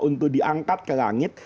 untuk diangkat ke langit